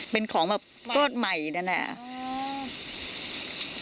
เป็นของแบบก้อนใหม่นั่นแหละ